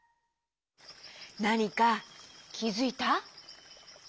なにかきづいた？